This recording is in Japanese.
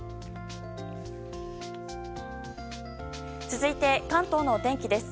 続いて、関東の天気です。